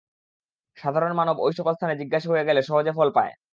সাধারণ মানব ঐ-সকল স্থানে জিজ্ঞাসু হয়ে গেলে সহজে ফল পায়।